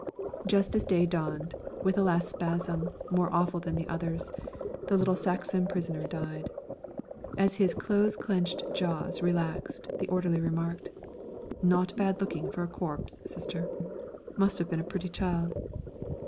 Just as day dawned, with a last spasm, more awful than the others, the little Saxon prisoner died. As his close clenched jaws relaxed the orderly remarked: "Not bad looking for a corpse, Sister; must have been a pretty child!"